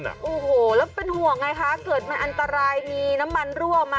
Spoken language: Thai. โอ้โหแล้วเป็นห่วงไงคะเกิดมันอันตรายมีน้ำมันรั่วมา